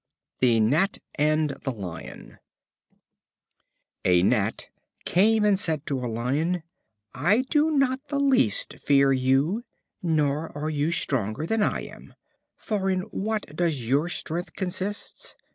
The Gnat and the Lion. A Gnat came and said to a Lion: "I do not the least fear you, nor are you stronger than I am. For in what does your strength consist?